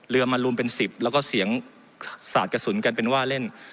มารวมเป็น๑๐แล้วก็เสียงสาดกระสุนกันเป็นว่าเล่น